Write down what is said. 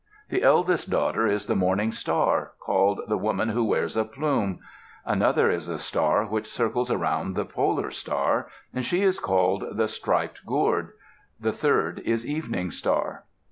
The eldest daughter is the Morning Star, called "The Woman who Wears a Plume"; another is a star which circles around the polar star, and she is called "The Striped Gourd"; the third is Evening Star.